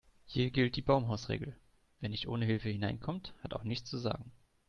Hier gilt die Baumhausregel: Wer nicht ohne Hilfe hineinkommt, hat auch nichts zu sagen.